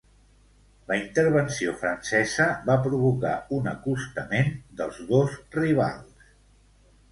La intervenció francesa va provocar un acostament dels dos rivals.